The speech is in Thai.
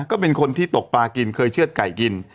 ก็เป็นคนที่ตกปลากินเคยเชื่อดไก่กิน